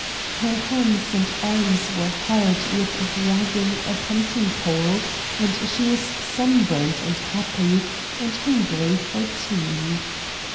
Her hands and arms were hard with dragging a punting pole and she was sunburnt and happy, and hungry for tea.